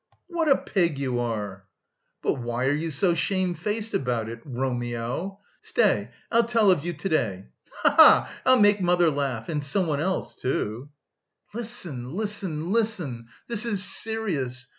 "What a pig you are!" "But why are you so shamefaced about it? Romeo! Stay, I'll tell of you to day. Ha ha ha! I'll make mother laugh, and someone else, too..." "Listen, listen, listen, this is serious....